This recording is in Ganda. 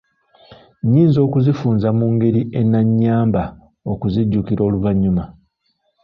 Nnyinza okuzifunza mu ngeri enannyamba okuzijjukira oluvannyuma?